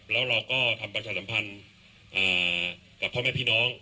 แล้วเราก็ทำประชาสัมพันธ์กับพ่อแม่พี่น้อง